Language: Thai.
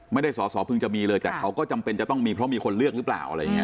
ไม่ได้สอเพิ่งจะมีเลยแต่เขาก็จำเป็นจะต้องมีเพราะมีคนเลือกหรือเปล่า